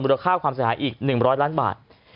ราคาความเสียหายอีก๑๐๐ล้านบาท